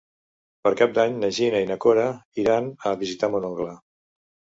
Per Cap d'Any na Gina i na Cora iran a visitar mon oncle.